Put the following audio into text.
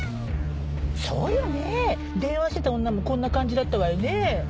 そうよねぇ電話してた女もこんな感じだったわよねぇ。